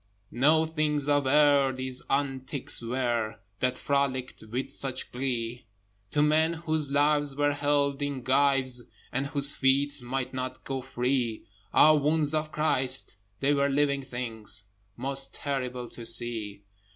No things of air these antics were That frolicked with such glee: To men whose lives were held in gyves, And whose feet might not go free, Ah! wounds of Christ! they were living things, Most terrible to see.